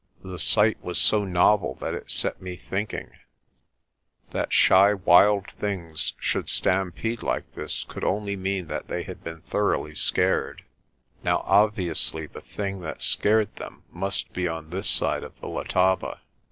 The sight was so novel that it set me thinking. That 170 PRESTER JOHN shy wild things should stampede like this could only mean that they had been thoroughly scared. Now obviously the thing that scared them must be on this side of the Letaba.